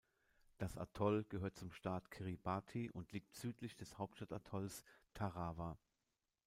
Das Atoll gehört zum Staat Kiribati und liegt südlich des Hauptstadt-Atolls Tarawa.